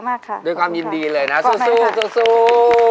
อ๋อโอเคด้วยความยินดีเลยนะสู้สู้สู้สู้สู้